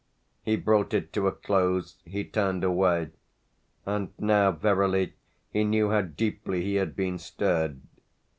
He brought it to a close, he turned away; and now verily he knew how deeply he had been stirred.